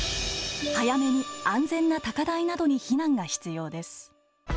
早めに安全な高台などに避難が必要です。